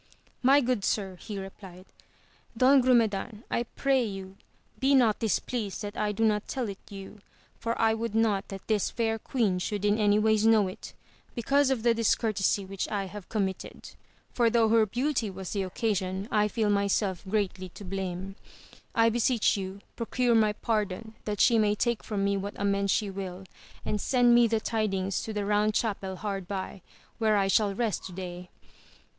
My good sir, he replied, Don Grumedan, I pray you be not displeased that I do not tell it you, for I would not that this fair queen should in any ways know it, because of the discourtesy which I have committed ; for though her beauty was the occasion I feel myself greatly to blame. I beseech you procure my pardon that she may take from me what amends she will, and send me the tidings to the Eound Chapel hard by where I shall rest to day.